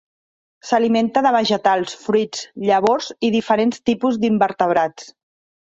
S'alimenta de vegetals, fruits, llavors i diferents tipus d'invertebrats.